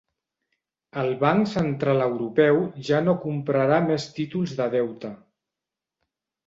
El Banc Central Europeu ja no comprarà més títols de deute